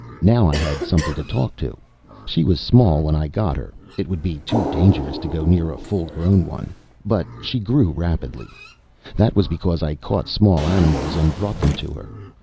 Now I had something to talk to. She was small when I got her it would be too dangerous to go near a full grown one but she grew rapidly. That was because I caught small animals and brought them to her.